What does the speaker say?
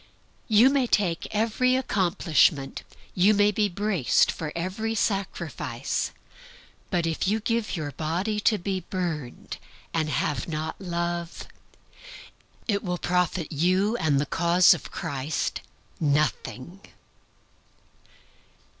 You may take every accomplishment; you may be braced for every sacrifice; but if you give your body to be burned, and have not Love, it will profit you and the cause of Christ nothing.